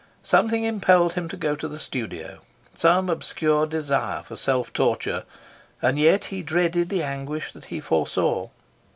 Something impelled him to go to the studio, some obscure desire for self torture, and yet he dreaded the anguish that he foresaw.